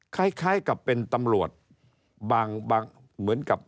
คล้ายกับเป็นตำรวจบางเหมือนกับ